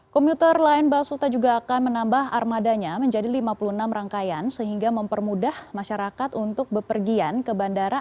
komuter line basuta juga akan menambah armadanya menjadi lima puluh enam rangkaian sehingga mempermudah masyarakat untuk bepergian ke bandara